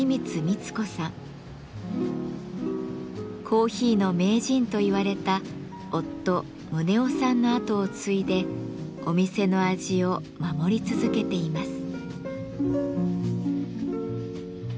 「コーヒーの名人」といわれた夫・宗男さんのあとを継いでお店の味を守り続けています。